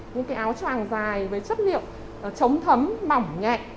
những cái áo tràng dài với chất liệu chống thấm mỏng nhẹ